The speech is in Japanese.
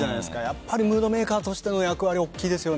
やっぱりムードメーカーとしての役割大きいですね。